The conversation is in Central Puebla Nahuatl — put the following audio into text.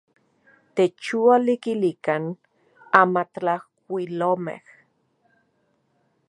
Techualikilikan amatlajkuilolmej.